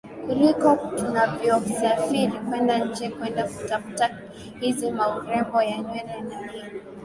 kuliko tunavyo safiri kwenda nje kwenda kutafuta hizi maurembo ya nywele na nini